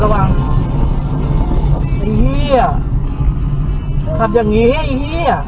ขับอย่างเงี้ยอย่างเงี้ย